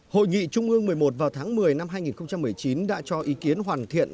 hội nghị trung ương một mươi một vào tháng một mươi năm hai nghìn một mươi chín đã cho ý kiến hoàn thiện